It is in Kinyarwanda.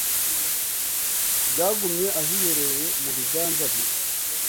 byagumye ahiherereye mu biganza byanjye